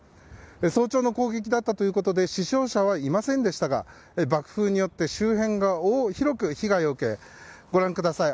早朝の攻撃だったということで死傷者はいませんでしたが爆風によって周辺が広く被害を受けご覧ください